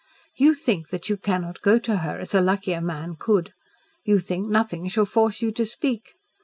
You think that you cannot go to her as a luckier man could. You think nothing shall force you to speak.